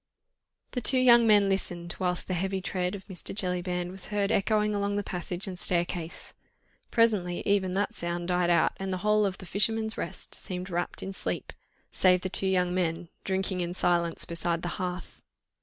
The two young men listened, whilst the heavy tread of Mr. Jellyband was heard echoing along the passage and staircase. Presently even that sound died out, and the whole of "The Fisherman's Rest" seemed wrapt in sleep, save the two young men drinking in silence beside the hearth.